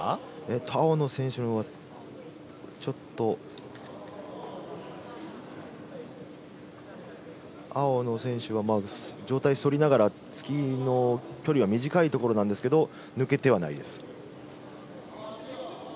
青の選手がちょっと、青の選手が上体を反りながら突きの距離、短いところなんですが抜けてはないです。